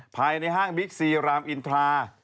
ภายในห้างบิ๊กซีรามอินทรา